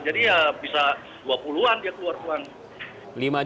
jadi ya bisa dua puluh an dia keluar uang